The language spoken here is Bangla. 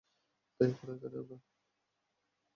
তাই এখন এখানে আমরা।